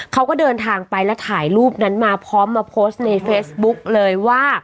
เขาก็เดินทางไปแล้วถ่ายรูปนั้นมาพร้อมมาโพสต์ในเฟซบุ๊กเลยว่า